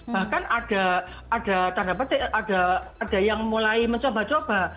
bahkan ada tanda petik ada yang mulai mencoba coba